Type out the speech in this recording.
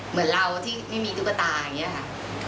เหมือนเราที่ไม่มีตุ๊กตาอย่างนี้ค่ะ